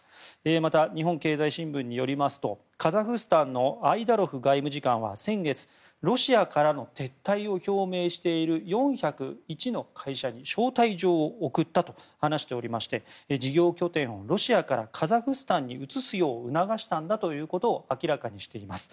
また、日本経済新聞によりますとカザフスタンのアイダロフ外務次官は先月ロシアからの撤退を表明している４０１の会社に招待状を送ったと話しておりまして事業拠点をロシアからカザフスタンに移すよう促したんだということを明らかにしています。